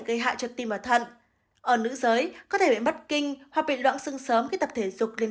gây hại cho tim và thận ở nước giới có thể bị mất kinh hoặc bị loạn xưng sớm khi tập thể dục liên